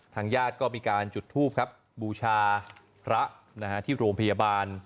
ญาติก็มีการจุดทูปครับบูชาพระที่โรงพยาบาล